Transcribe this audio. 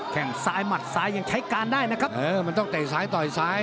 แค่งซ้ายหมัดซ้ายยังใช้การได้นะครับเออมันต้องเตะซ้ายต่อยซ้าย